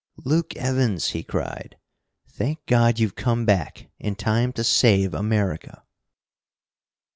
"Luke Evans!" he cried. "Thank God you've come back in time to save America!"